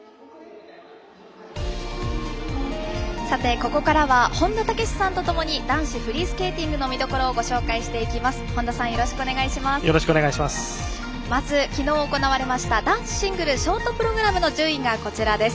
ここからは本田武史さんとともに男子フリースケーティングの見どころをご紹介していきます。